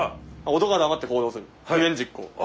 男は黙って行動する不言実行。